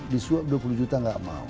disuap dua puluh juta nggak mau